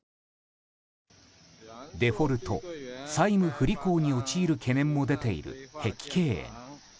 デフォルト・債務不履行に陥る懸念も出ている碧桂園。